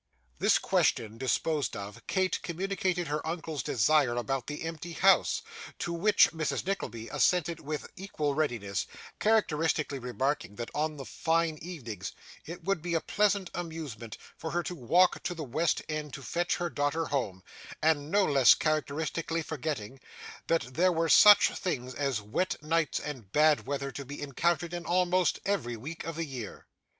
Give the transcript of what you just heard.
This question disposed of, Kate communicated her uncle's desire about the empty house, to which Mrs. Nickleby assented with equal readiness, characteristically remarking, that, on the fine evenings, it would be a pleasant amusement for her to walk to the West end to fetch her daughter home; and no less characteristically forgetting, that there were such things as wet nights and bad weather to be encountered in almost every week of the year.